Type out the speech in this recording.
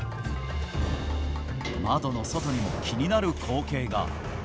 窓の外にも気になる光景が。